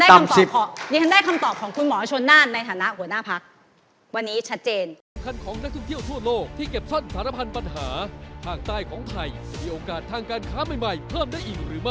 อ่าเรียนได้คำตอบของคุณหมอชนนานในฐานะหัวหน้าภักร์